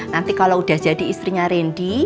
nanti kalau udah jadi istrinya randy